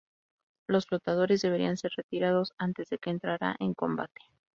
Los flotadores deberían ser retirados antes de que entrara en combate.